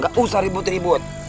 gak usah ribut ribut